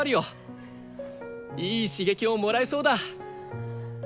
いい刺激をもらえそうだ。